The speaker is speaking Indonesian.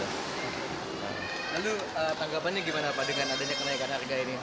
jadi tanggapannya gimana pak dengan adanya kenaikan harga ini